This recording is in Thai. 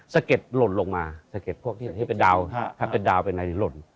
สะเก็ดหล่นลงมาสะเก็ดพวกที่เป็นดาวถ้าเป็นดาวเป็นอะไรหล่น